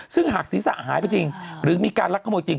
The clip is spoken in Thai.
ซึ่งหากศีรษะหายไปจริงหรือมีการลักขโมยจริง